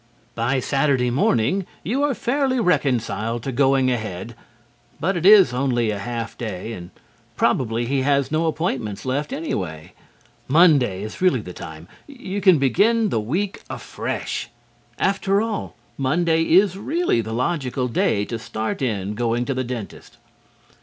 By Saturday morning you are fairly reconciled to going ahead, but it is only a half day and probably he has no appointments left, anyway. Monday is really the time. You can begin the week afresh. After all, Monday is really the logical day to start in going to the dentist.